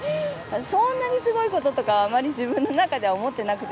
そんなにすごいことって自分の中では思ってなくて。